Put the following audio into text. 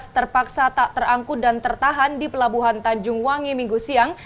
terpaksa tak terangkut dan tertahan di pelabuhan tanjung wangi minggu siang